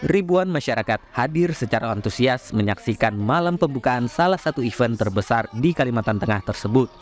ribuan masyarakat hadir secara antusias menyaksikan malam pembukaan salah satu event terbesar di kalimantan tengah tersebut